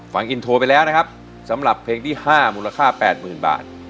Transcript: ฟังอินโทรไปแล้วนะครับสำหรับเพลงที่๕มูลค่า๘๐๐๐บาท